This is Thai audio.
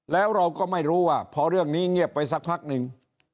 แล้วเราก็ไม่รู้ว่าพอเรื่องนี้เงียบไปสักพักหนึ่ง